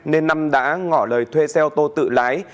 nên năm đã ngỏ lời thuê xe ô tô tự lái